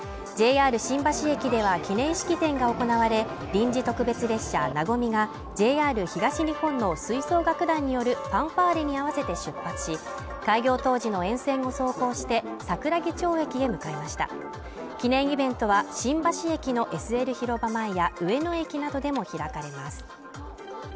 ＪＲ新橋駅では記念式典が行われ臨時特別列車「なごみ」がＪＲ東日本の吹奏楽団によるファンファーレに合わせて出発し開業当時の沿線を走行して桜木町駅へ向かいました記念イベントは新橋駅のＳＬ広場前や上野駅などでも開かれます